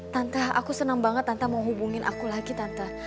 tantah aku senang banget tante mau hubungin aku lagi tantah